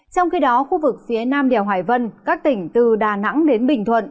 trong khi đó khu vực phía nam đèo hải vân các tỉnh từ đà nẵng đến bình thuận